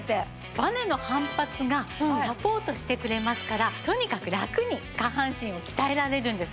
バネの反発がサポートしてくれますからとにかくラクに下半身を鍛えられるんです。